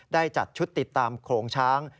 ได้จัดชุดติดตามโขลงช้าง